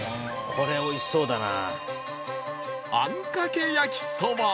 これ美味しそうだな。